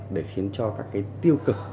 để khiến cho các cái tiêu cực